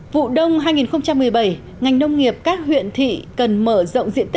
vụ đông hai nghìn một mươi bảy ngành nông nghiệp các huyện thị cần mở rộng rịa